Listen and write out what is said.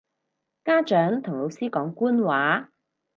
家長同老師講官話